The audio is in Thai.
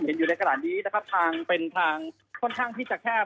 เห็นอยู่ในขณะนี้นะครับทางเป็นทางค่อนข้างที่จะแคบ